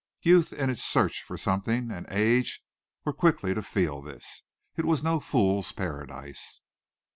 Youth in its search for something and age were quickly to feel this. It was no fool's paradise.